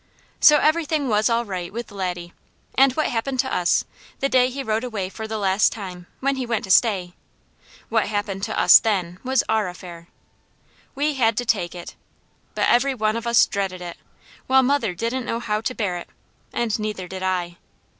So everything was all right with Laddie; and what happened to us, the day he rode away for the last time, when he went to stay what happened to us, then, was our affair. We had to take it, but every one of us dreaded it, while mother didn't know how to bear it, and neither did I.